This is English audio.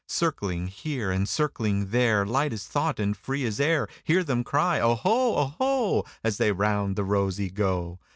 Circling here and circling there, Light as thought and free as air, Hear them cry, "Oho, oho,"As they round the rosey go.